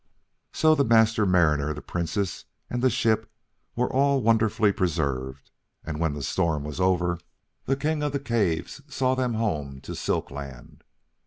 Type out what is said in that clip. So the Master Mariner, the Princess, and the ship were all wonderfully preserved, and when the storm was over, the King of the Caves saw them home to Silk Land.